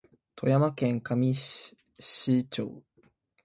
富山県上市町